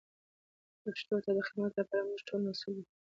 پښتو ته د خدمت لپاره موږ ټول مسئول یو.